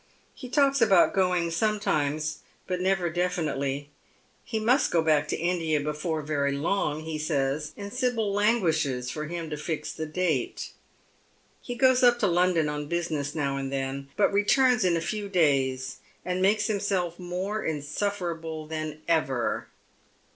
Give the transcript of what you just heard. He talks about going sometimes, but never definitely. He must go back to India before very long, he says, and Sibyl languishes for him to fix the date. He goes up to London on business now and then, but returns in a few days, and makes himself more insufferable than ever.